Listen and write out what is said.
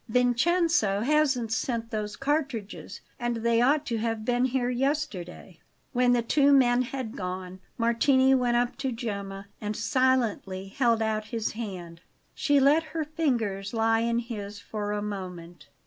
Vincenzo hasn't sent those cartridges, and they ought to have been here yesterday." When the two men had gone, Martini went up to Gemma and silently held out his hand. She let her fingers lie in his for a moment.